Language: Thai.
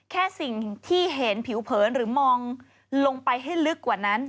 แค่สิ่งที่เห็นผิวเผินหรือมองลงไปให้ลึกกว่านั้น